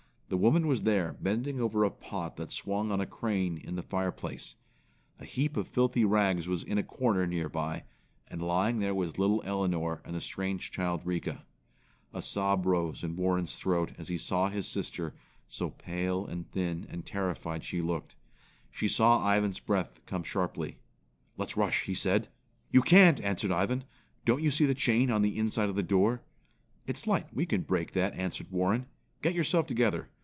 The woman was there bending over a pot that swung on a crane in the fireplace. A heap of filthy rags was in a corner near by, and lying there was little Elinor and the strange child Rika. A sob rose in Warren's throat as he saw his sister, so pale and thin and terrified she looked. He heard Ivan's breath come sharply. "Let's rush!" he said. "You can't!" answered Ivan. "Don't you see the chain on the inside of the door?" "It's light, we can break that," answered Warren. "Get yourself together.